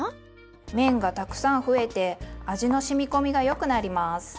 面がたくさん増えて味の染み込みがよくなります。